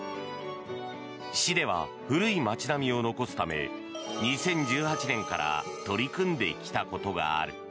市では古い町並みを残すため２０１８年から取り組んできたことがある。